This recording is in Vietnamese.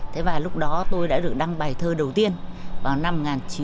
thế và lúc đó tôi đã được đăng bài thơ đầu tiên vào năm một nghìn chín trăm bảy mươi